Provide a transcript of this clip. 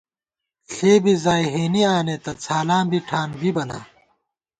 ݪےبی زائی ہېنی آنېتہ ، څھالاں بی ٹھان بِبہ نا